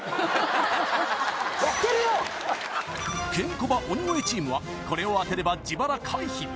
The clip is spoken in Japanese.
ケンコバ・鬼越チームはこれを当てれば自腹回避